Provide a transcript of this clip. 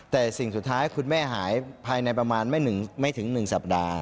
แต่สิ่งสุดท้ายคุณแม่หายภายในประมาณไม่ถึง๑สัปดาห์